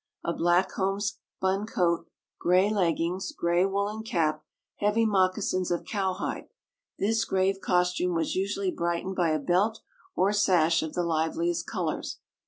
A black homespun coat, gray leggings, gray woollen cap, heavy moccasins of cowhide, this grave costume was usually brightened by a belt or sash of the liveliest colours.